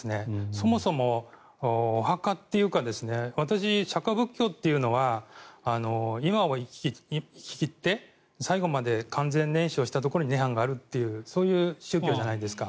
そもそもお墓っていうか私、釈迦仏教というのは今を生き切って最後まで完全燃焼したところに涅槃があるというそういう宗教じゃないですか。